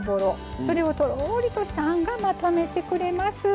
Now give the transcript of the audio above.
それをとろーりとしたあんがまとめてくれます。